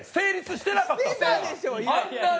してたでしょ、今。